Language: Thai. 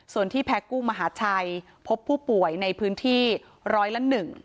ส่วนที่แพ้กู้มหาชัยพบผู้ป่วยในพื้นที่ร้อยละ๑